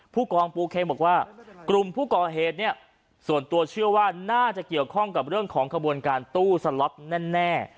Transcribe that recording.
ผู้กองปูเคบอกว่ากลุ่มผู้ก่อเหตุเนี่ยส่วนตัวเชื่อว่าน่าจะเกี่ยวข้องกับเรื่องของขบวนการตู้สล็อตแน่